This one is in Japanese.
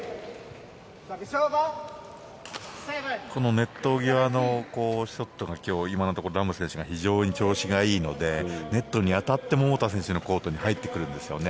ネット際のショットが今のところラム選手が非常に調子がいいのでネットに当たって桃田選手のコートに入ってくるんですよね。